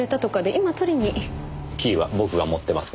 キーは僕が持ってますが。